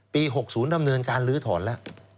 ๖๐ดำเนินการลื้อถอนแล้ว